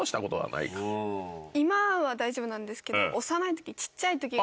今は大丈夫なんですけど。